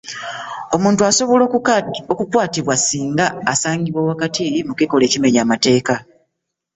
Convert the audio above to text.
Omuntu asobola okukwatibwa singa asangibwa wakati mu kikolwa ekimenya amateeka.